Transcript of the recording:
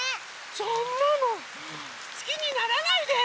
そんなのすきにならないで！